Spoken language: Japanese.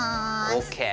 ＯＫ。